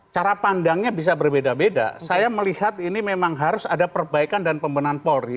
cara pandangnya bisa berbeda beda saya melihat ini memang harus ada perbaikan dan pembenahan polri